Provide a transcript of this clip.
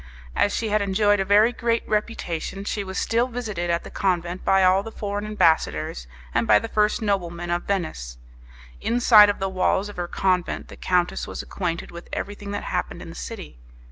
As she had enjoyed a very great reputation, she was still visited at the convent by all the foreign ambassadors and by the first noblemen of Venice; inside of the walls of her convent the countess was acquainted with everything that happened in the city.